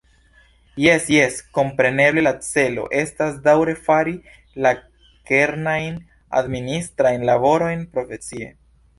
Jes, jes, kompreneble la celo estas daŭre fari la kernajn administrajn laborojn profesie.